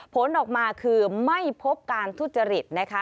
ผลออกมาคือไม่พบการทุจริตนะคะ